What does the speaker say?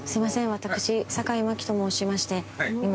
私坂井真紀と申しまして。